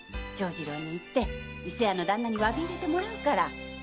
長次郎に言って伊勢屋の旦那に詫びを入れてもらうから。